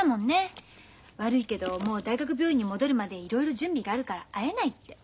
悪いけどもう大学病院に戻るまでいろいろ準備があるから会えないって。